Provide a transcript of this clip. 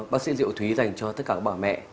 bác sĩ diệu thúy dành cho tất cả bà mẹ